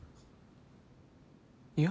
いや。